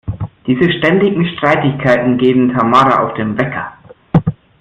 Diese ständigen Streitigkeiten gehen Tamara auf den Wecker.